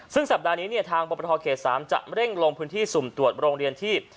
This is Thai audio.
ซึ่งสัปดาห์นี้เนี่ยทางบรปฐเขต๓จะเร่งลงพื้นที่สุ่มตรวจโรงเรียนที่